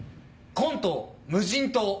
コント「無人島」。